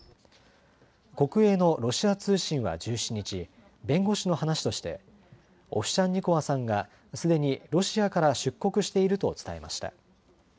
国営のロシア通信は１７日、弁護士の話としてオフシャンニコワさんがすでにロシアから出国していると伝えました。